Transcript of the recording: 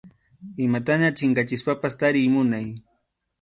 Imataña chinkachispapas tariy munay.